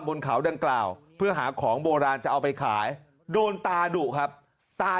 บนเขาดังกล่าวเพื่อหาของโบราณจะเอาไปขายโดนตาดุครับตา